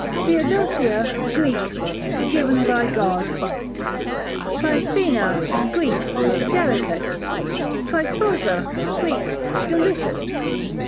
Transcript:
Theodosia, Greek, given by God. Tryphena, Greek, delicate. Tryphosa, Greek, delicious.